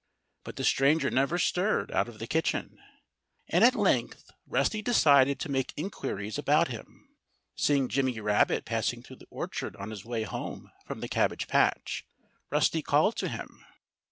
But the stranger never stirred out of the kitchen. And at length Rusty decided to make inquiries about him. Seeing Jimmy Rabbit passing through the orchard on his way home from the cabbage patch, Rusty called to him.